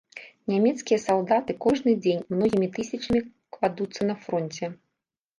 Нямецкія салдаты кожны дзень многімі тысячамі кладуцца на фронце.